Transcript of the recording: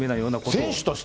選手として？